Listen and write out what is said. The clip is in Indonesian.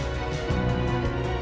namun sebagai seorang ayam